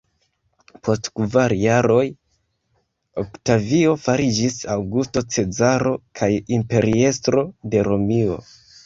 Post kvar jaroj, Oktavio fariĝis Aŭgusto Cezaro kaj imperiestro de Romio.